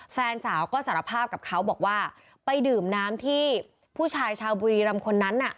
แฟนสาวก็สารภาพกับเขาบอกว่าไปดื่มน้ำที่ผู้ชายชาวบุรีรำคนนั้นน่ะ